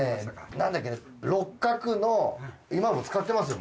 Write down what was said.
なんだっけ六角の今も使ってますよ